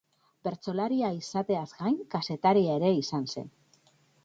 Bertsolaria izateaz gain, kazetari ere izan zen.